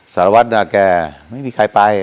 สารวัตรนาแกไม่มีใครไป